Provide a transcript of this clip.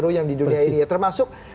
runyam di dunia ini termasuk